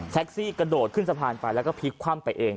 กระโดดขึ้นสะพานไปแล้วก็พลิกคว่ำไปเอง